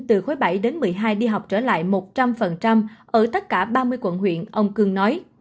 từ khối bảy đến một mươi hai đi học trở lại một trăm linh ở tất cả ba mươi quận huyện ông cương nói